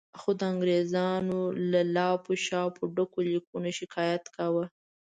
خو د انګریزانو له لاپو شاپو ډکو لیکونو شکایت کاوه.